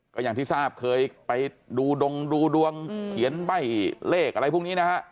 ก็อย่างที่ทราบเคยไปดูดงดูดวงเขียนใบ้เลขอะไรพวกนี้นะฮะ